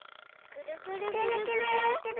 ぐるぐるぐるぐる。